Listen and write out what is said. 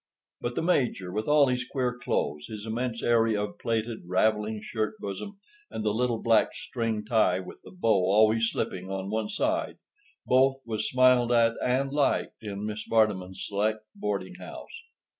But the Major, with all his queer clothes, his immense area of plaited, raveling shirt bosom, and the little black string tie with the bow always slipping on one side, both was smiled at and liked in Mrs. Vardeman's select boarding house.